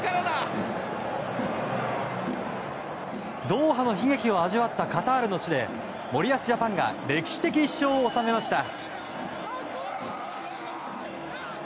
ドーハの悲劇を味わったカタールの地で森保ジャパンが歴史的一勝を収めました。